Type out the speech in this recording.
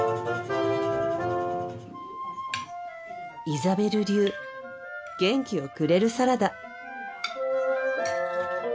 イザベル流元気をくれるサラダ。